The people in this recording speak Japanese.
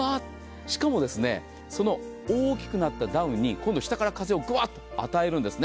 しかも、その大きくなったダウンに今度は下から風をグワッと与えるんですね。